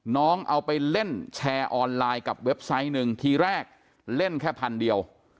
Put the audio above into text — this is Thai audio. น้องเอาไปเล่นแชร์ออนไลน์กับเว็บไซต์หนึ่งทีแรกเล่นแค่พันเดียว